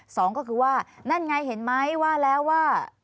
สองก็คือว่านั่นไงเห็นไหมว่าแล้วว่า